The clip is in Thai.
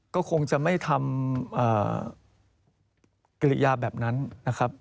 ก็คงจะไม่ทำกิริยาแบบนั้นนะครับ